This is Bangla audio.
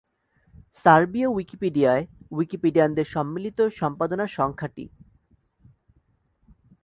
সার্বীয় উইকিপিডিয়ায় উইকিপিডিয়ানদের সম্মিলিত সম্পাদনার সংখ্যা টি।